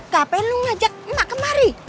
kp lu ngajak emak kemari